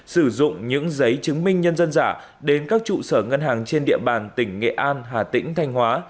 sử dụng những giấy chứng minh nhân dân giả đến các trụ sở ngân hàng trên địa bàn tỉnh nghệ an hà tĩnh thanh hóa